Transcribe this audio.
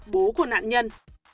bố của nạn nhân